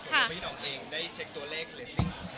ดูเป็นนอกเอง